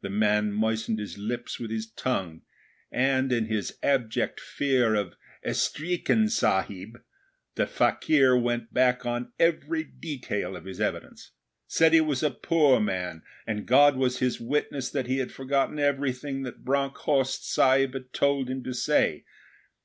The man moistened his lips with his tongue and, in his abject fear of 'Estreekin Sahib', the fakir went back on every detail of his evidence said he was a poor man, and God was his witness that he had forgotten everything that Bronckhorst Sahib had told him to say.